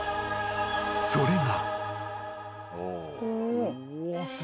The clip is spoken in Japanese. ［それが］